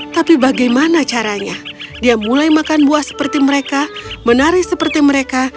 tapi bagaimana caranya dia mulai makan buah seperti mereka menari seperti mereka